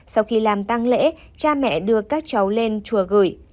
sau khi làm tăng lễ cha mẹ đưa các cháu lên chùa gửi